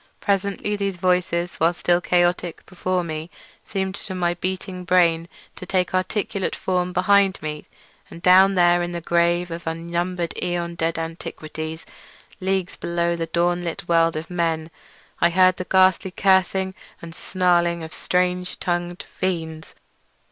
Presently those voices, while still chaotic before me, seemed to my beating brain to take articulate form behind me; and down there in the grave of unnumbered aeon dead antiquities, leagues below the dawn lit world of men, I heard the ghastly cursing and snarling of strange tongued fiends.